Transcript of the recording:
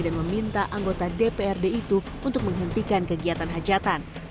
dan meminta anggota dprd itu untuk menghentikan kegiatan hajatan